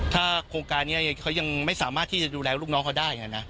ถ้าโครงการนี้เขายังไม่สามารถที่จะดูแลลูกน้องเขาได้นะ